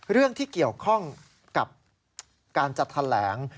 เรื่องที่เกี่ยวข้องกับการจัดแถลง